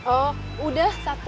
oh udah satu